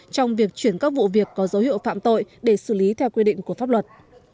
trong việc chuyển các vụ việc có dấu hiệu phạm tội để xử lý theo quy định của pháp luật